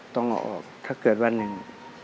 ต้องเอาออกถ้าเกิดวันหนึ่ง